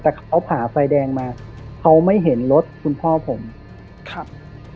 แต่เขาผ่าไฟแดงมาเขาไม่เห็นรถคุณพ่อผมครับ